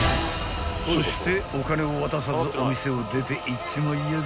［そしてお金を渡さずお店を出ていっちまいやがったぃ］